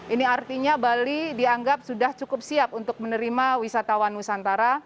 ini artinya bali dianggap sudah cukup siap untuk menerima wisatawan nusantara